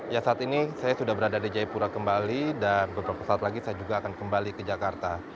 ya saat ini saya sudah berada di jayapura kembali dan beberapa saat lagi saya juga akan kembali ke jakarta